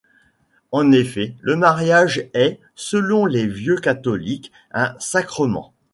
En effet, le mariage est, selon les vieux-catholiques, un sacrement.